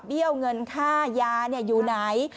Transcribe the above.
ี้ยวเงินค่ายาอยู่ไหน